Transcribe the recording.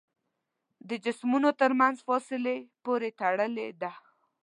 د جسمونو تر منځ فاصلې پورې تړلې ده.